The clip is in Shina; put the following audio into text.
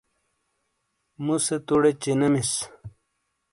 مُوسے توڑے چِینےمِیس۔